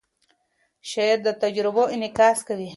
شعر د تجربو انعکاس کوي.